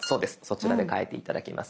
そちらで変えて頂きます。